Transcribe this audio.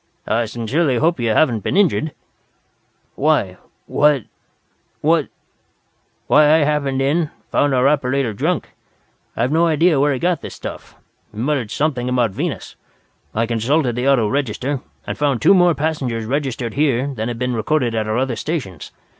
I sincerely hope you haven't been injured." "Why what what " "Why I happened in, found our operator drunk. I've no idea where he got the stuff. He muttered something about Venus. I consulted the auto register, and found two more passengers registered here than had been recorded at our other stations.